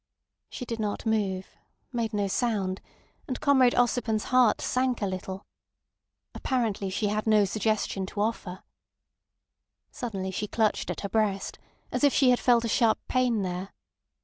She did not move, made no sound, and Comrade Ossipon's heart sank a little. Apparently she had no suggestion to offer. Suddenly she clutched at her breast, as if she had felt a sharp pain there.